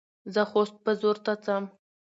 زه خوست بازور ته څم.